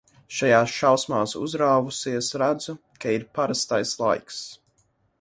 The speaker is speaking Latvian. Šajās šausmās uzrāvusies, redzu, ka ir parastais laiks.